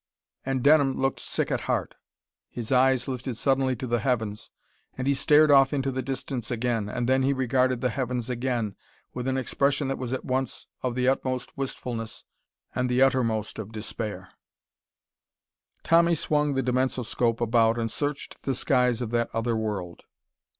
And Denham looked sick at heart. His eyes lifted suddenly to the heavens, and he stared off into the distance again, and then he regarded the heavens again with an expression that was at once of the utmost wistfulness and the uttermost of despair. Tommy swung the dimensoscope about and searched the skies of that other world.